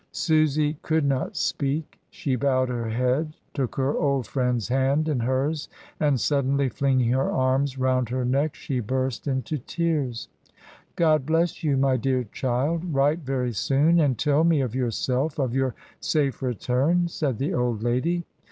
Susy could not speak; she bowed her head, took her old friend's hand in hers, and suddenly flinging her arms round her neck she burst into tears. "God bless you, my dear child. Write very soon and tell me of yourself , of your safe return," said the old lady.